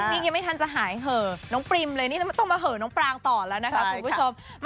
ยังไม่ทันจะหายเหอะน้องปริมเลยนี่ต้องมาเหอะน้องปรางต่อแล้วนะคะคุณผู้ชม